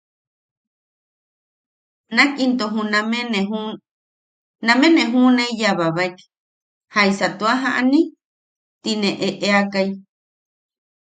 Nak into juname ne jun... name ne juʼuneiyababaek ¿jaisa tua jani? ti ne eʼeakai.